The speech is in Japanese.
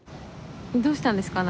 どうしたんですか？